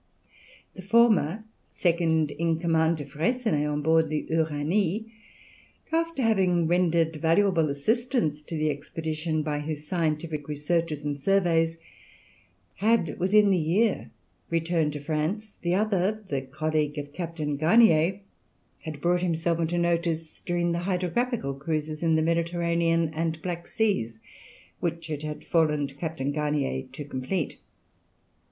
The former, second in command to Freycinet on board the Uranie, after having rendered valuable assistance to the expedition by his scientific researches and surveys, had within the year returned to France; the other, the colleague of Captain Garnier, had brought himself into notice during the hydrographical cruises in the Mediterranean and Black Seas, which it had fallen to Captain Garnier to complete.